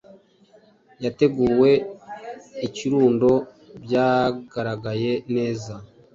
Yateguwe ikirundo byagaragaye neza